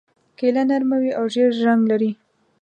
کیله نرمه وي او ژېړ رنګ لري.